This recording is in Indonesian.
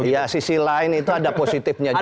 ya sisi lain itu ada positifnya juga